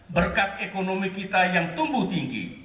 berkat ekonomi kita yang tumbuh tinggi